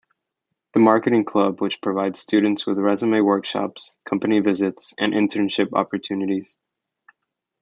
The Marketing Club, which provides students with resume workshops, company visits, and internship opportunities.